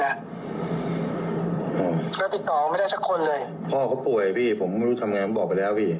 แล้วติดต่อไม่ได้สักคนเลยพ่อเขาป่วยพี่ผมไม่รู้ทำไงบอกไปแล้วพี่